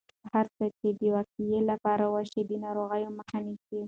هره هڅه چې د وقایې لپاره وشي، د ناروغیو مخه نیسي.